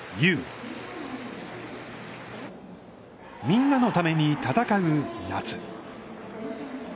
みんなのために戦う夏。